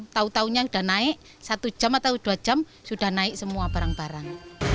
tahu tahunya sudah naik satu jam atau dua jam sudah naik semua barang barang